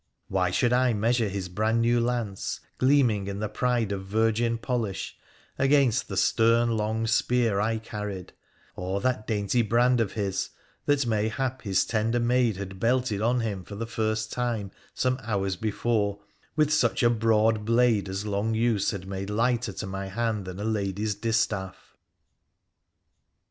Why should I measure his brand new lance, gleaming in the pride of virgin polish, against the stern long spear I carried ; or that dainty brand of his, that mayhap his tender maid had belted on him for the first time some hours before, with such a broad blade as long use had made lighter to my hand than a lady's distaff